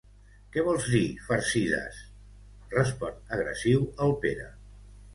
Què vols dir, farcides? —respon agressiu el Pere—.